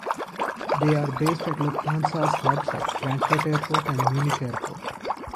They are based at Lufthansa's hubs at Frankfurt Airport and Munich Airport.